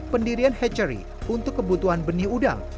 pendirian hatchery untuk kebutuhan benih udang